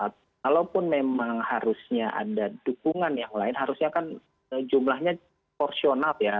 kalaupun memang harusnya ada dukungan yang lain harusnya kan jumlahnya porsional ya